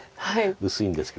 薄いんですけど。